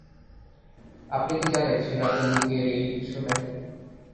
আপনি কি জানেন, সে রাতে লুকিয়ে রিয়েলিটি শো দেখে?